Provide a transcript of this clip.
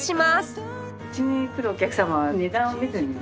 うちに来るお客様は値段を見ずにですね